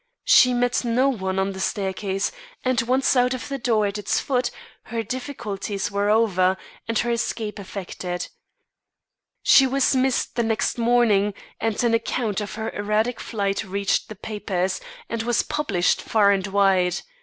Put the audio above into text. She met no one on the staircase, and, once out of the door at its foot, her difficulties were over, and her escape effected. She was missed the next morning, and an account of her erratic flight reached the papers, and was published far and wide.